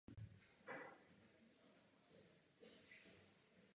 Děti potřebují cítit jistotu a kontinuitu a vytvořit si v životě pevné orientační body.